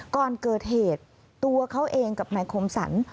ก่อนเกิดเหตุตัวเขาเองกับนายคมสรร